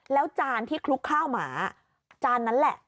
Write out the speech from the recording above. แล้วจานที่คลุกข้าวหมาจานนั้นแหละ